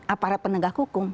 aparat penegak hukum